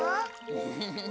フフフフ。